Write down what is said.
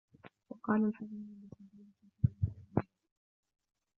وَقَالَ الْحَسَنُ الْبَصْرِيُّ رَحْمَةُ اللَّهِ عَلَيْهِ